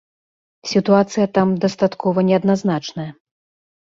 Сітуацыя там дастаткова неадназначная.